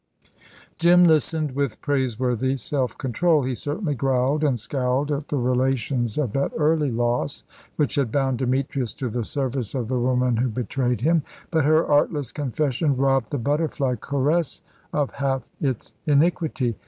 Jim listened with praiseworthy self control. He certainly growled and scowled at the relation of that early loss, which had bound Demetrius to the service of the woman who betrayed him; but her artless confession robbed the butterfly caress of half its iniquity.